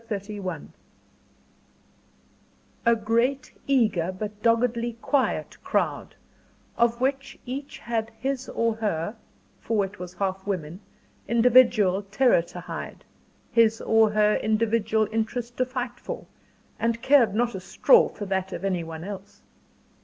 CHAPTER XXXI A great, eager, but doggedly quiet crowd, of which each had his or her for it was half women individual terror to hide, his or her individual interest to fight for, and cared not a straw for that of any one else.